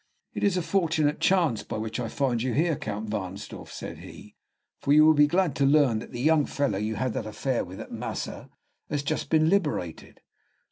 "It is a fortunate chance by which I find you here, Count Wahnsdorf," said he, "for you will be glad to learn that the young fellow you had that affair with at Massa has just been liberated."